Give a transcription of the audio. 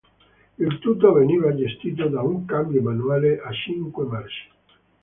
Il tutto veniva gestito da un cambio manuale a cinque marce.